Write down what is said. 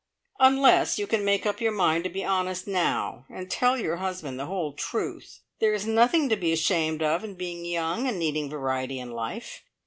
"Unless you can make up your mind to be honest now, and tell your husband the whole truth. There is nothing to be ashamed of in being young and needing variety in life.